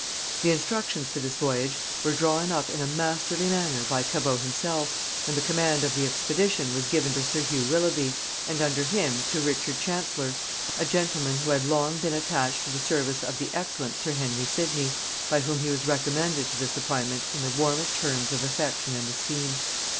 The instructions for this voyage were drawn up in a masterly manner by Cabot himself, and the command of the expedition was given to sir Hugh Willoughby, and under him to Richard Chancellor, a gentleman who had long been attached to the service of the excellent sir Henry Sidney, by whom he was recommended to this appointment in the warmest terms of affection and esteem.